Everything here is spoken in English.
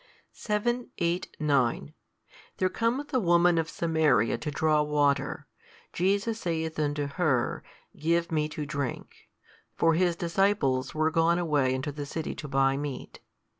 7, 8, 9 There cometh a woman of Samaria to draw water: Jesus saith unto her, Give Me to drink. (For His disciples were gone away unto the city to buy meat).